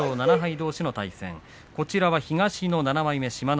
どうしの対戦東の７枚目、志摩ノ